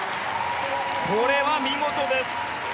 これは見事です。